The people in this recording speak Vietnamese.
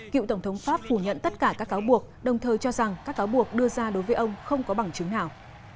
cựu tổng thống pháp phủ nhận tất cả các cáo buộc đồng thời cho rằng các cáo buộc đưa ra đối với ông không có bằng chứng nào